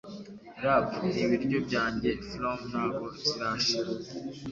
Rap ni ibiryo byanjye flom ntago zirashira